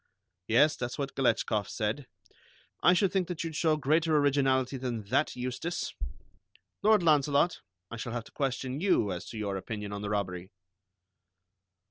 "Yes, that's what Galetchkoff said. I should think that you'd show greater originality than that, Eustace. Lord Launcelot, I shall have to question you as to your opinion on the robbery."